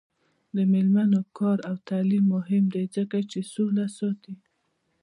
د میرمنو کار او تعلیم مهم دی ځکه چې سوله ساتي.